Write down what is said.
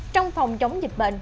trong phòng chống dịch bệnh